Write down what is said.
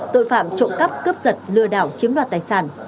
tội phạm trộm cắp cướp giật lừa đảo chiếm đoạt tài sản